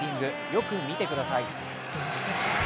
よく見てください。